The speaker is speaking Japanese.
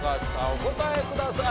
お答えください。